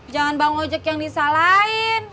jangan bang ojek yang disalahin